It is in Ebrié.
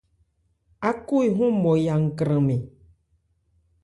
Áko ehɔn Mɔya nkrânmɛn.